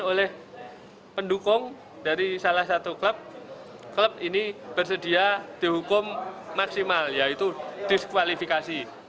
oleh pendukung dari salah satu klub klub ini bersedia dihukum maksimal yaitu diskualifikasi